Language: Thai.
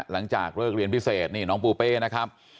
หลังจากเลิกเรียนพิเศษนี่น้องปูเป้นะครับ